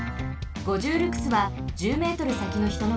５０ルクスは１０メートルさきのひとのかお